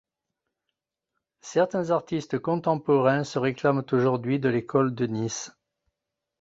Certains artistes contemporains se réclament aujourd'hui de l'école de Nice.